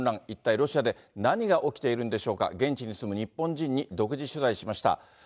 一体ロシアで、何が起きているんでしょうか、現地に住む日本人に独自取材しました。